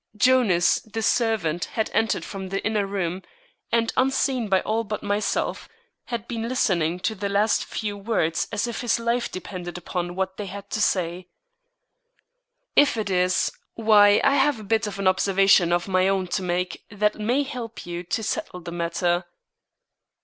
Jonas, the servant, had entered from the inner room, and unseen by all but myself, had been listening to the last few words as if his life depended upon what they had to say. "If it is, why I have a bit of an observation of my own to make that may help you to settle the matter."